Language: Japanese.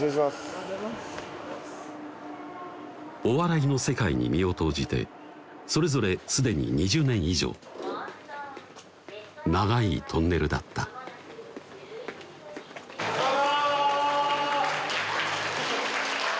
お笑いの世界に身を投じてそれぞれ既に２０年以上長いトンネルだったどうも！